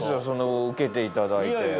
その受けていただいて。